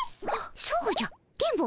そうじゃ電ボ。